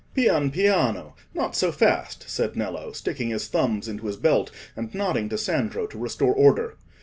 "Pian piano—not so fast," said Nello, sticking his thumbs into his belt and nodding to Sandro to restore order.